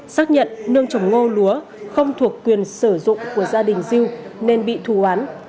xác nhận nương trồng ngô lúa không thuộc quyền sử dụng của gia đình diêu nên bị thù án